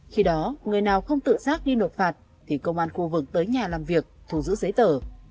khi đó người nào không tự giác đi nộp phạt thì công an khu vực tới nhà làm việc thu giữ giấy tờ